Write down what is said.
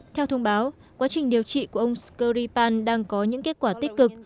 theo thông báo quá trình điều trị của ông skripal đang có những kết quả tích cực